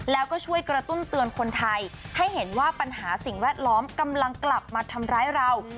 แล้วก็ช่วยกระตุ้นเตือนคนไทยให้เห็นว่าปัญหาสิ่งแวดล้อมกำลังกลับมาทำร้ายเรา